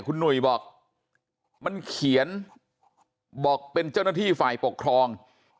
คุณหนุ่ยบอกมันเขียนบอกเป็นเจ้าหน้าที่ฝ่ายปกครอง